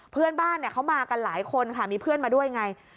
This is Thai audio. เพื่อนบ้านเขามากันหลายคนค่ะมีเพื่อนมาด้วยไง